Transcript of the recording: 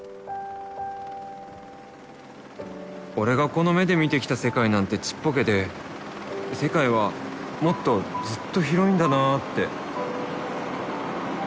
プロペラ音俺がこの目で見て来た世界なんてちっぽけで世界はもっとずっと広いんだなって。